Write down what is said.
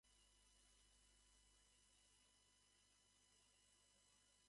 急に寒くなったので体調を崩しそうだ